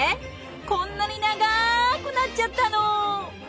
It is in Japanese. こんなに長くなっちゃったの！